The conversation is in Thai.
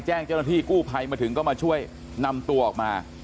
แจ้งเจ้าหน้าที่กู้ภัยมาถึงก็มาช่วยนำตัวออกมา